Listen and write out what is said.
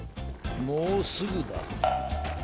もうすぐだ。